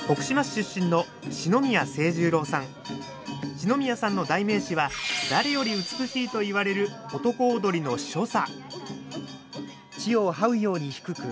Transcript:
四宮さんの代名詞は誰より美しいといわれる男踊りの所作。